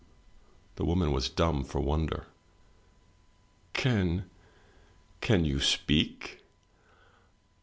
The woman was dumb for wonder. "Can — can you speak?